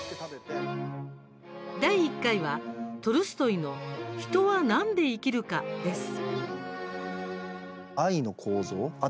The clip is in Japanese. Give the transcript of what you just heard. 第１回はトルストイの「人は何で生きるか」です。